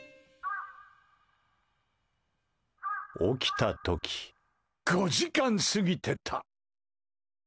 起きた時、５時間過ぎてた！